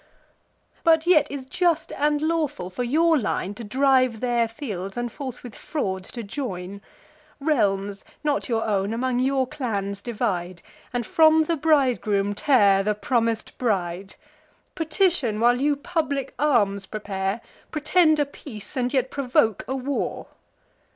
But yet is just and lawful for your line To drive their fields, and force with fraud to join; Realms, not your own, among your clans divide, And from the bridegroom tear the promis'd bride; Petition, while you public arms prepare; Pretend a peace, and yet provoke a war!